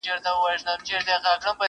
نه يوه بل ته په زور تسليمېدله!!